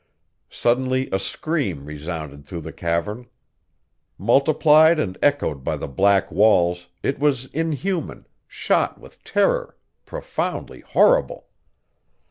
Suddenly a scream resounded through the cavern. Multiplied and echoed by the black walls, it was inhuman, shot with terror, profoundly horrible.